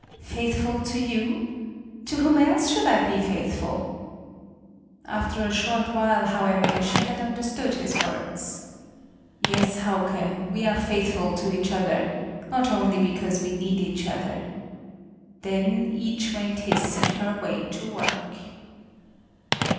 "Faithful to you? To whom else should I be faithful?" After a short while, however, she had understood his words. "Yes, Hauke, we are faithful to each other; not only because we need each other." Then each went his and her way to work.